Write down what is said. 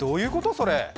それ。